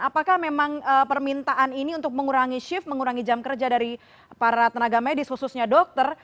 apakah memang permintaan ini untuk mengurangi shift mengurangi jam kerja dari para tenaga medis khususnya dokter